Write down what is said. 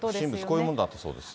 こういうものだったそうです。